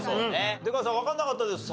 出川さんわかんなかったですか？